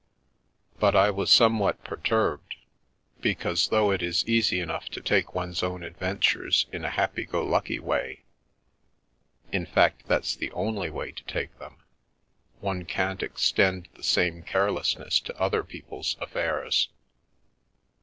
But I was somewhat per turbed, because though it is easy enough to take one's own adventures in a happy go lucky way — in fact, that's the only way to take them — one can't extend the same carelessness to other people's affairs.